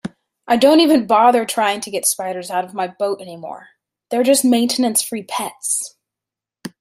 I don't even bother trying to get spiders out of my boat anymore, they're just maintenance-free pets.